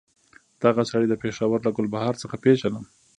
دغه سړی د پېښور له ګلبهار څخه پېژنم.